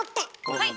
はい。